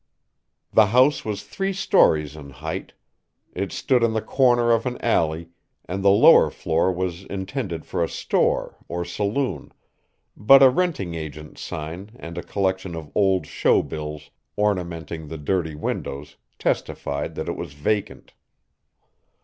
The house was three stories in height. It stood on the corner of an alley, and the lower floor was intended for a store or saloon; but a renting agent's sign and a collection of old show bills ornamenting the dirty windows testified that it was vacant.